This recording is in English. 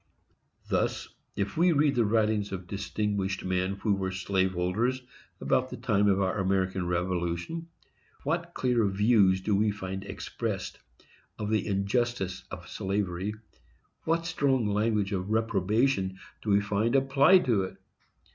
Thus, if we read the writings of distinguished men who were slave holders about the time of our American Revolution, what clear views do we find expressed of the injustice of slavery, what strong language of reprobation do we find applied to it!